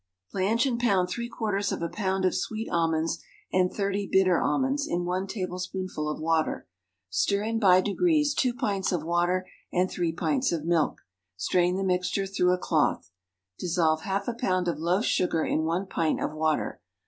_ Blanch and pound three quarters of a pound of sweet almonds, and thirty bitter almonds, in one tablespoonful of water. Stir in by degrees two pints of water and three pints of milk. Strain the mixture through a cloth. Dissolve half a pound of loaf sugar in one pint of water.